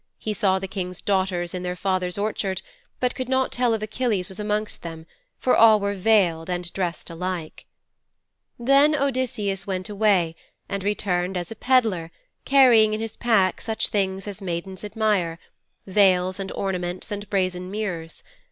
He saw the King's daughters in their father's orchard, but could not tell if Achilles was amongst them, for all were veiled and dressed alike. 'Then Odysseus went away and returned as a peddler carrying in his pack such things as maidens admire veils and ornaments and brazen mirrors.